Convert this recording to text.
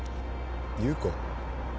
優子？